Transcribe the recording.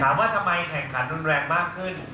ว่าทำไมแข่งขันรุนแรงมากขึ้น